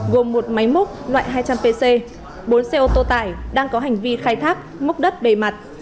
gồm một máy múc loại hai trăm linh pc bốn xe ô tô tải đang có hành vi khai thác múc đất bề mặt